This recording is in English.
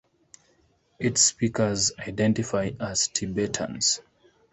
Its speakers identify as Tibetans.